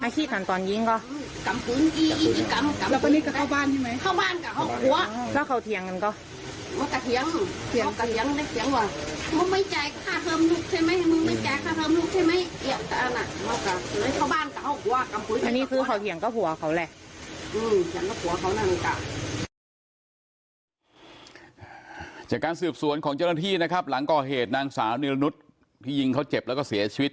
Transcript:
จากการสืบสวนของเจ้าหน้าที่นะครับหลังก่อเหตุนางสาวนิรนุษย์ที่ยิงเขาเจ็บแล้วก็เสียชีวิต